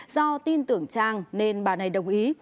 do tin tưởng trang nên bà này đồng ý